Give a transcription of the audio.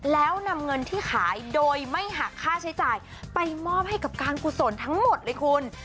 แล้วนำเงินที่ขายโดยไม่หักค่าใช้จ่ายไปมอบให้กับการกุศลทั้งหมดเลยคุณ